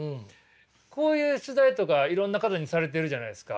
こういう取材とかいろんな方にされてるじゃないですか。